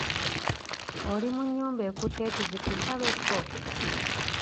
Oli mu nnyumba ekutte enzikiza be ppo!